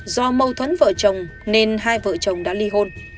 do mâu thuẫn vợ chồng nên hai vợ chồng đã ly hôn